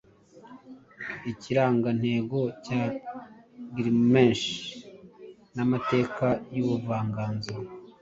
Ikirangantego cya Gilgamesh namateka yubuvanganzo